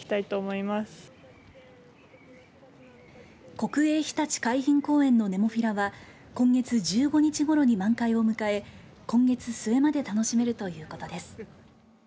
国営ひたち海浜公園のネモフィラは今月１５日ごろに満開を迎え今月末まで楽しめるということです。